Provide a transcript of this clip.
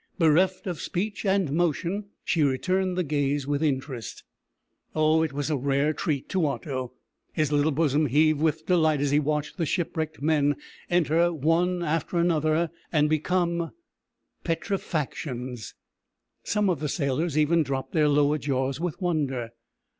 Bereft of speech and motion, she returned the gaze with interest. Oh! it was a rare treat to Otto! His little bosom heaved with delight as he watched the shipwrecked men enter one after another and become petrefactions! Some of the sailors even dropped their lower jaws with wonder.